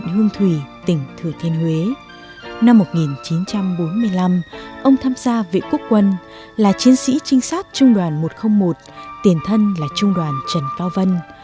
năm một nghìn chín trăm bốn mươi năm ông tham gia vệ quốc quân là chiến sĩ trinh sát trung đoàn một trăm linh một tiền thân là trung đoàn trần cao vân